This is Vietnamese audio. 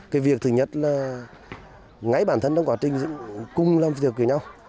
cái việc thứ nhất là ngay bản thân trong quá trình cùng làm việc với nhau